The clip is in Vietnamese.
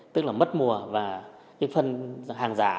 tức là mất mùa và phân hàng giả